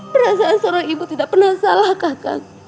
perasaan seorang ibu tidak pernah salah kakak